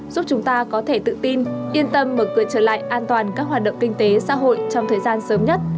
giúp chúng ta có thể tự tin yên tâm mở cửa trở lại an toàn các hoạt động kinh tế xã hội trong thời gian sớm nhất